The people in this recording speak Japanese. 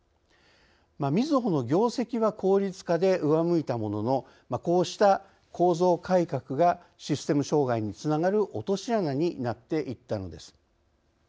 みずほの業績は効率化で上向いたもののこうした構造改革がシステム障害につながる落とし穴になっていったのです。